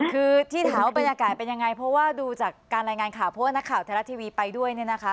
คือที่ถามว่าบรรยากาศเป็นยังไงเพราะว่าดูจากการรายงานข่าวเพราะว่านักข่าวไทยรัฐทีวีไปด้วยเนี่ยนะคะ